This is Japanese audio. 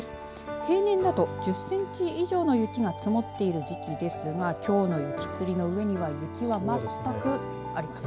平年だと１０センチ以上の雪が積もっている時点でですがきょうの雪つりの上には雪は全くありません。